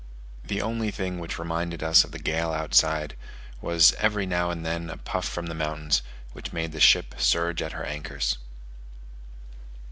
The only thing which reminded us of the gale outside, was every now and then a puff from the mountains, which made the ship surge at her anchors.